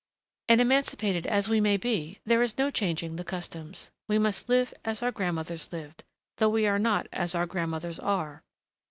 And emancipated as we may be, there is no changing the customs. We must live as our grandmothers lived ... though we are not as our grandmothers are..."